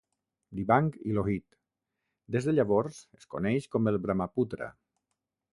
"Dibang" i "Lohit"; des de llavors, es coneix com el "Brahmaputra".